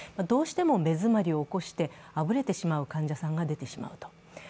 どうしても目詰まりを起こして、あぶれてしまう患者さんが出てしまう。